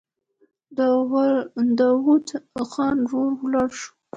داوود خان ورو ولاړ شو.